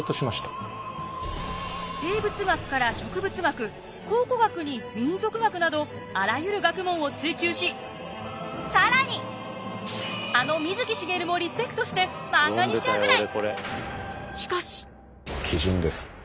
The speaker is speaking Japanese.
生物学から植物学考古学に民俗学などあらゆる学問を追求し更にあの水木しげるもリスペクトしてマンガにしちゃうぐらい！